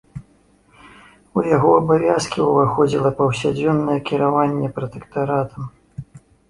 У яго абавязкі ўваходзіла паўсядзённае кіраванне пратэктаратам.